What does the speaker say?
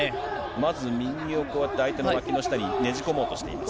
まず相手のわきの下にねじ込もうとしています。